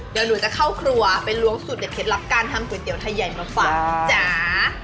เดี๋ยวหนูจะเข้าครัวไปล้วงสูตรเด็ดเคล็ดลับการทำก๋วยเตี๋ยวไทยใหญ่มาฝากจ๋า